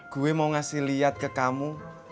gue mau ngasih lihat ke kamu